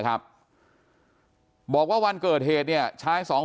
อยู่ดีมาตายแบบเปลือยคาห้องน้ำได้ยังไง